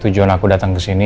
tujuan aku datang kesini